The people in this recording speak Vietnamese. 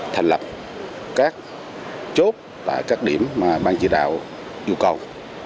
thành lập các chốt tại các điểm mà ban chỉ đạo yêu cầu